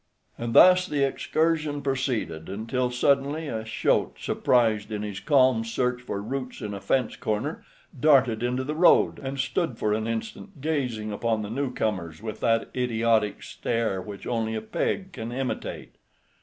And thus the excursion proceeded, until suddenly a shote, surprised in his calm search for roots in a fence corner, darted into the road, and stood for an instant gazing upon the newcomers with that idiotic stare which only a pig can imitate.